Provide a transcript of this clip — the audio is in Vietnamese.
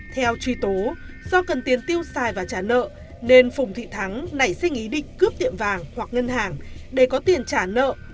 theo truy tố do cần tiền tiêu xài và trả nợ nên phùng thị thắng nảy sinh ý định cướp tiệm vàng hoặc ngân hàng để có tiền trả nợ